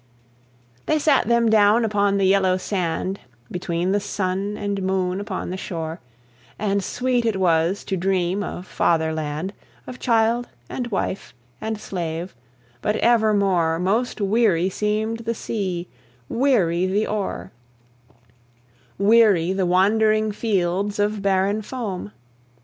They sat them down upon the yellow sand, Between the sun and moon upon the shore; And sweet it was to dream of Fatherland, Of child, and wife, and slave; but evermore Most weary seem'd the sea, weary the oar, Weary the wandering fields of barren foam.